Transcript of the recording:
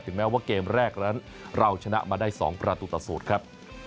ถึงแม้ว่าเกมแรกเราชนะมาได้๒ประตูตรสูตรครับ